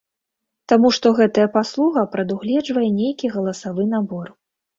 Таму што гэтая паслуга прадугледжвае нейкі галасавы набор.